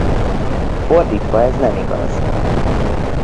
Fordítva ez nem igaz.